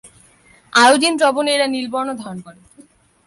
Iodine দ্রবণে এরা নীল বর্ণ ধারণ করে।